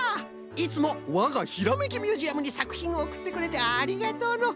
いつもわがひらめきミュージアムにさくひんをおくってくれてありがとうの。